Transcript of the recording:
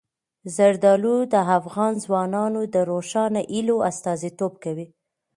زردالو د افغان ځوانانو د روښانه هیلو استازیتوب کوي.